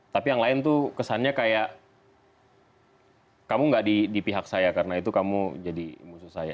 tapi yang lain tuh kesannya kayak kamu gak di pihak saya karena itu kamu jadi musuh saya